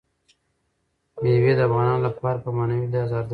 مېوې د افغانانو لپاره په معنوي لحاظ ارزښت لري.